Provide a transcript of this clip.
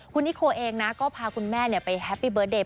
คุณนิโคเองนะก็พาคุณแม่ไปแฮปปี้เบิร์เดย์